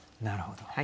なるほど。